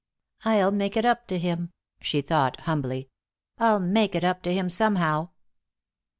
"I'll make it up to him," she thought, humbly. "I'll make it up to him somehow."